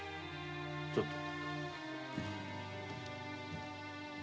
ちょっと。